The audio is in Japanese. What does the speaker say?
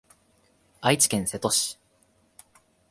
愛知県瀬戸市